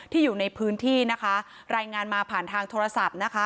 อยู่ในพื้นที่นะคะรายงานมาผ่านทางโทรศัพท์นะคะ